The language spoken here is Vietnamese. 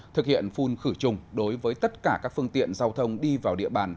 thực hiện phun khử trùng đối với tất cả các phương tiện giao thông đi vào địa bàn